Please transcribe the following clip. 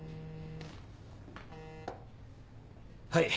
はい。